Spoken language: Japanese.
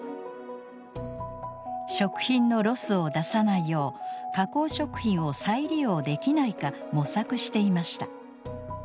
食品のロスを出さないよう加工食品を再利用できないか模索していました。